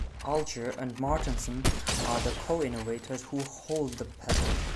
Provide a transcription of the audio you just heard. Alger and Martinsen are the co-inventors who hold the patent.